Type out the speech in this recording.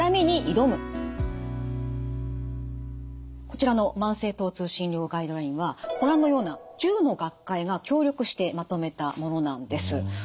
こちらの「慢性疼痛診療ガイドライン」はご覧のような１０の学会が協力してまとめたものなんです。